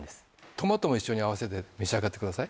トマトも一緒に併せて召し上がってください